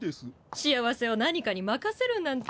幸せを何かにまかせるなんて。